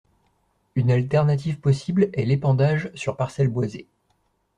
Une alternative possible est l’épandage sur parcelles boisées.